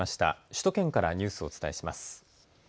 首都圏からニュースをお伝えします。